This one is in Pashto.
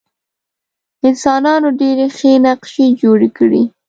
انسانانو ډېرې ښې نقشې جوړې کړې.